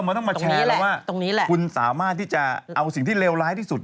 กระเจ้าผ่านไปได้ไหม